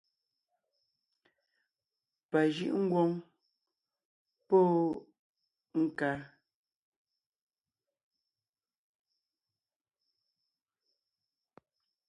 Pà jʉ́’ ńgwóŋ póo ńká.